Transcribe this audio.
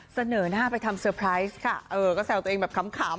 เสนอหน้าไปทำค่ะเออก็แซวตัวเองแบบขำ